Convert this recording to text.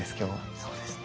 そうですね。